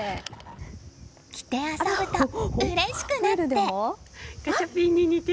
着て遊ぶとうれしくなって。